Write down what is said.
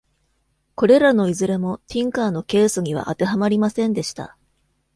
これらのいずれもティンカーのケースには当てはまりませんでした。